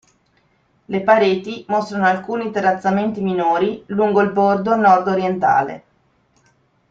Le pareti mostrano alcuni terrazzamenti minori lungo il bordo nord orientale.